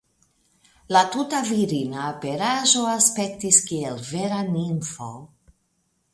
La tuta virina aperaĵo aspektis kiel vera nimfo.